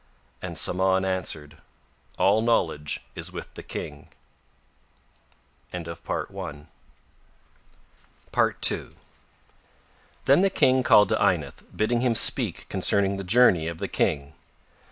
And Samahn answered: "All knowledge is with the King." II Then the King called to Ynath bidding him speak concerning the journey of the King.